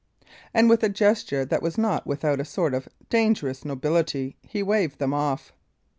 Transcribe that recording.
And with a gesture that was not without a sort of dangerous nobility, he waved them off.